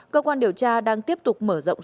cơ quan điều tra đang tiếp tục mở rộng